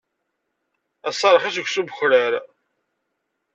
Ass-a, rxis uksum n ukrar.